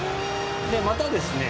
またですね